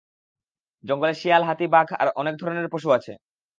জঙ্গলে শিয়াল, হাতি, বাঘ আর অনেক ধরনের পশু আছে।